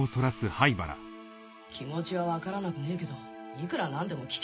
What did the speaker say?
気持ちは分からなくねえけどいくら何でも危険。